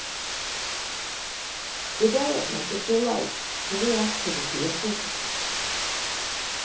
[Sidenote: Development of delight in the activity of thinking] 3.